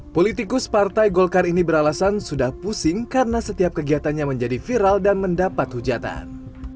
politikus partai golkar ini beralasan sudah pusing karena setiap kegiatannya menjadi viral dan mendapat hujatan